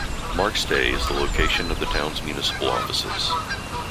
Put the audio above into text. Markstay is the location of the town's municipal offices.